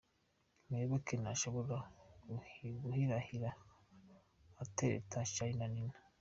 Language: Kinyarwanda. Muyoboke ntashobora guhirahira atereta Charly na Nina.